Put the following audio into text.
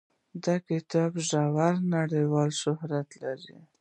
دې کتاب ژر نړیوال شهرت وموند.